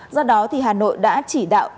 do đó thì hà nội đã chỉ đạo